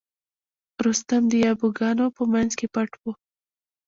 رستم د یابو ګانو په منځ کې پټ و.